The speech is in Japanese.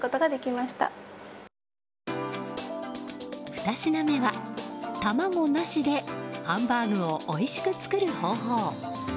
２品目は、卵なしでハンバーグをおいしく作る方法。